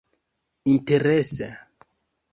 interese